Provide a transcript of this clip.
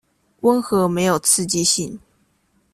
溫和沒有刺激性